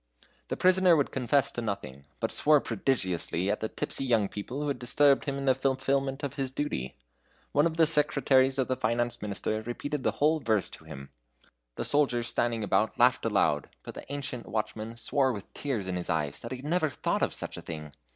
The prisoner would confess to nothing, but swore prodigiously at the tipsy young people who had disturbed him in the fulfilment of his duty. One of the secretaries of the Finance Minister repeated the whole verse to him. The soldiers standing about laughed aloud, but the ancient watchman swore with tears in his eyes that he had never thought of such a thing.